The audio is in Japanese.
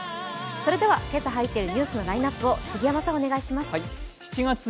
それでは今朝入っているニュースのラインナップを杉山さん。